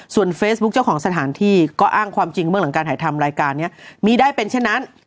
ส่วนเฟซบุ๊คเจ้าของสถานที่ก็อ้างความจริงเมื่อหลังการถ่ายทำรายการนี้มีได้เป็นเช่นนั้น